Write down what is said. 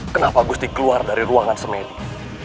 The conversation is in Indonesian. kenapa gusti keluar dari ruangan semedik